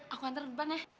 aku antar depan ya